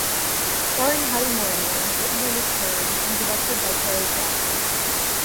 Starring Hattie Morahan, written by Nick Payne and directed by Carrie Cracknell.